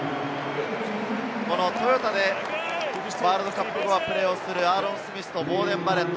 トヨタでワールドカップ後にプレーするアーロン・スミスとボーデン・バレット。